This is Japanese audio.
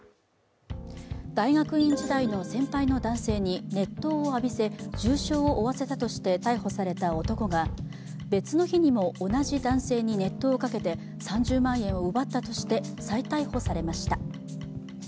大学院時代の先輩の男性に熱湯を浴びせ重傷を負わせたとして逮捕された男が別の日にも同じ男性に熱湯をかけて３０万円を奪ったとして再逮捕されました。